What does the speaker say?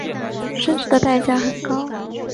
生殖的代价很高。